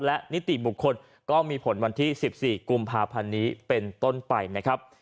และนิติบุคคลก็มีผลวันที่๑๔กุมภาพันธ์นี้เป็นต้นไปนะครับ